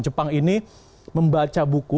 jepang ini membaca buku